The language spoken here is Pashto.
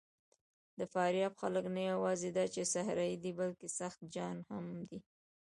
د فاریاب خلک نه یواځې دا چې صحرايي دي، بلکې سخت جان هم دي.